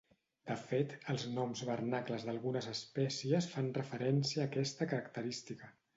De fet, els noms vernacles d'algunes espècies fan referència a aquesta característica.